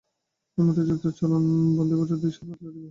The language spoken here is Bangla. এই মন্ত্রযুক্ত চরণ-বন্ধনীটা দিশা বাতলে দেবে।